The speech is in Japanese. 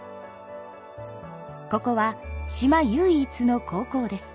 ここは島唯一の高校です。